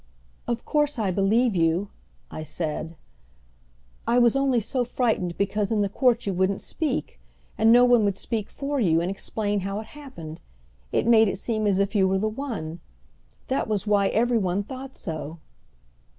"Of course I believe you," I said. "I was only so frightened because in the court you wouldn't speak, and no one would speak for you and explain how it happened. It made it seem as if you were the one. That was why every one thought so."